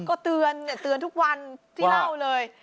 ก็เตือนเตือนทุกวันที่เล่าเลย